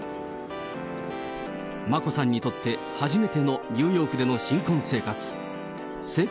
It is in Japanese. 眞子さんにとって、初めてのニューヨークでの新婚生活。